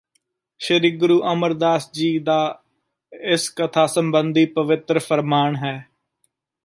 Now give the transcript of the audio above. ਸ੍ਰੀ ਗੁਰੂ ਅਮਰਦਾਸ ਜੀ ਦਾ ਇਸ ਕਥਾ ਸਬੰਧੀ ਪਵਿੱਤਰ ਫ਼ਰਮਾਨ ਹੈ